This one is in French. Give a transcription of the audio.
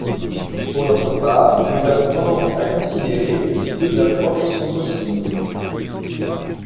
Pour notre part, nous avons tendance à considérer que ces deux approches sont possibles.